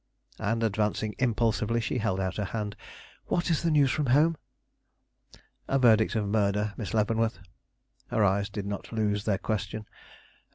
and advancing impulsively, she held out her hand. "What is the news from home?" "A verdict of murder, Miss Leavenworth." Her eyes did not lose their question.